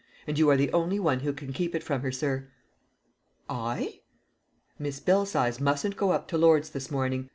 "And you are the only one who can keep it from her, sir." "I?" "Miss Belsize mustn't go up to Lord's this morning.